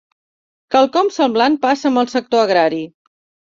Quelcom semblant passa amb el sector agrari.